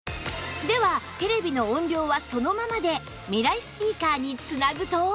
ではテレビの音量はそのままでミライスピーカーに繋ぐと？